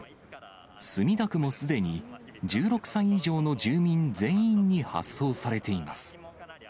墨田区もすでに１６歳以上の住民全員に発送されています。